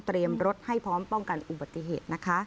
รถให้พร้อมป้องกันอุบัติเหตุนะคะ